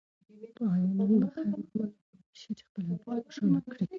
ایا نن به خیر محمد وکولی شي چې خپله لور خوشحاله کړي؟